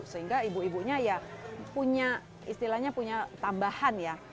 sehingga ibu ibunya ya punya istilahnya punya tambahan ya